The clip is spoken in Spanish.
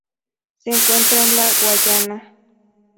Se encuentra en la Guayana.